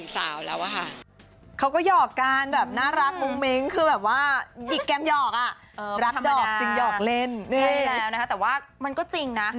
สาวแล้วนะคะแต่ว่ามันก็จริงนะ